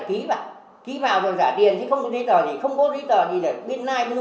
ký bạn ký vào rồi trả tiền chứ không có giấy tờ gì không có giấy tờ gì để biết nai với nhau